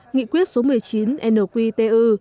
nghị quyết số một mươi chín nqtu